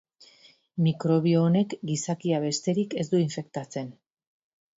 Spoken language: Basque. Mikrobio honek gizakia besterik ez du infektatzen.